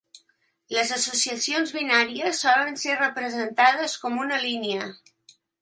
Les associacions binàries solen ser representades com una línia.